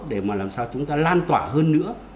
để mà làm sao chúng ta lan tỏa hơn nữa